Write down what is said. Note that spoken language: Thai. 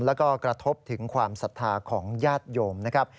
แล้วก็กระทบถึงความศรัทธาของญาติโยมนะครับ